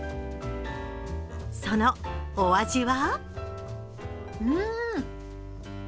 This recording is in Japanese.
そのお味は？